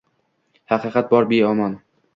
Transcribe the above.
Haqiqat bor beomon.